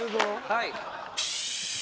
はい。